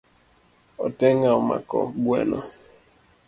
Otenga omako gweno.